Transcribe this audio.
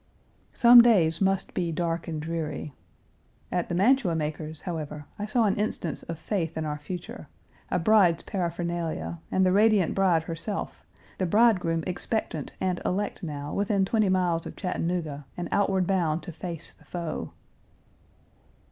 "Some days must be dark and dreary." At the mantua maker's, however, I saw an instance of faith in our future: a bride's paraphernalia, and the radiant bride herself, the bridegroom expectant and elect now within twenty miles of Chattanooga and outward bound to face the foe.